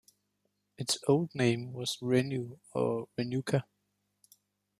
Its old name was Renu or Renuka.